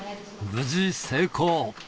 無事成功。